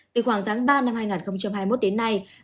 từ khoảng tháng ba năm hai nghìn hai mươi một đến nay